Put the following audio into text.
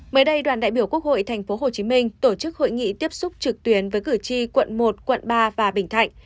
mới đây đoàn đại biểu quốc hội tp hcm tổ chức hội nghị tiếp xúc trực tuyến với cử tri quận một quận ba và bình thạnh